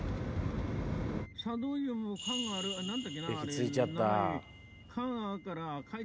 駅着いちゃった。